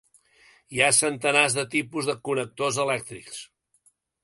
Hi ha centenars de tipus de connectors elèctrics.